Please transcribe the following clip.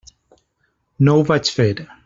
No ho vaig fer.